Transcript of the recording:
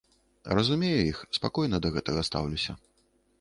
Разумею іх, спакойна да гэтага стаўлюся.